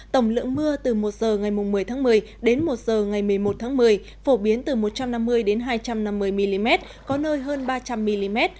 tổng lượng mưa từ một giờ ngày một mươi một mươi đến một giờ ngày một mươi một một mươi phổ biến từ một trăm năm mươi hai trăm năm mươi mm có nơi hơn ba trăm linh mm